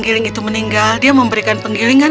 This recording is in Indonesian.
dia merasa kecewa dan heran